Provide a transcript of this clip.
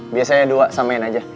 biasanya dua samain aja